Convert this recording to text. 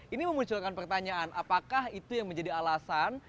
ini memunculkan pertanyaan apakah itu yang menjadi alasan